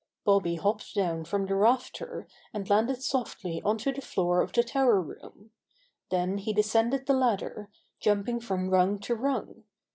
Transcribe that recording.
Bobby hopped down from the rafter and landed softly ont he floor of the tower room. Then he descended the ladder, jumping from rung to rung.